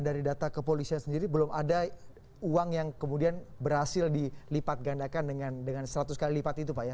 dan dari data kepolisian sendiri belum ada uang yang kemudian berhasil dilipat gandakan dengan seratus kali lipat itu pak ya